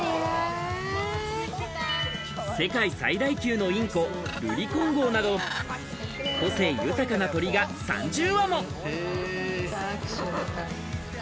世界最大級のインコ、ルリコンゴなど個性豊かな鳥が３０羽も。